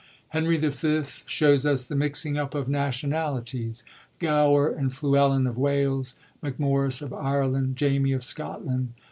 JBtenry V, shows us the mixing up of nationalities, Gower and Fluellen of Wales, Macmorris of Ireland, Jamy of Scotland.